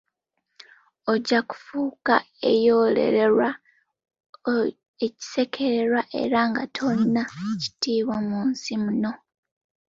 "Ojja kufuuka eyerolerwa, ekisekererwa, era nga tolina kitiibwa mu nsi muno."